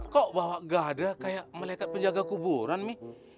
kok bawa gada kayak malaikat penjaga kuburan mi